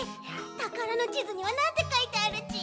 たからのちずにはなんてかいてあるち？